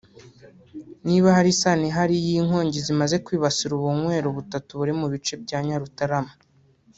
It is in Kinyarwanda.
niba hari isano ihari y’inkongi zimaze kwibasira ubunywero butatu buri mu bice bya Nyarutarama